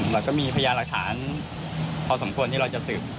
เราก็มีพยานหลักฐานพอสมควรที่เราจะสืบ